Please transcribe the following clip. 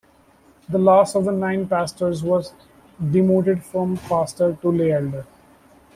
The last of the nine pastors was demoted from pastor to lay elder.